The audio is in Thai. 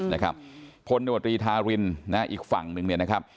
นะครับพลโนตรีทารินนะอีกฝั่งหนึ่งเนี่ยนะครับ